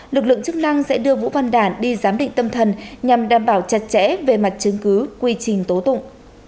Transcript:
lực lượng chức năng sẽ đưa vũ văn đản đi giám định tâm thần nhằm đảm bảo chặt chẽ về mặt chứng cứ quy trình tố tụng